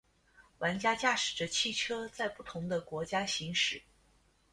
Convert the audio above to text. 玩家驾驶着汽车在不同的国家行驶。